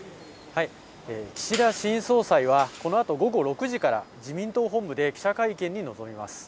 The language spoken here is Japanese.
岸田新総裁は、このあと午後６時から、自民党本部で記者会見に臨みます。